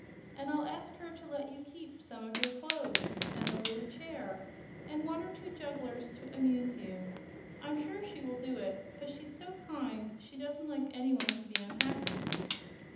And I'll ask her to let you keep some of your clothes and the lily chair and one or two jugglers to amuse you. I'm sure she will do it, 'cause she's so kind she doesn't like any one to be unhappy."